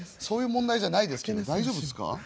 そういう問題じゃないですけど大丈夫ですか？